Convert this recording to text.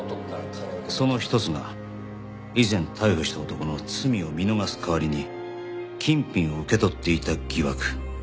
その一つが以前逮捕した男の罪を見逃す代わりに金品を受け取っていた疑惑。